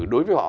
đối với họ